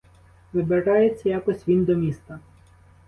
Вибирається якось він до міста.